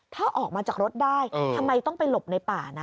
ถ้าออกมาจากรถได้ทำไมต้องไปหลบในป่านะ